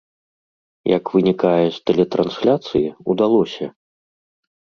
Як вынікае з тэлетрансляцыі, удалося!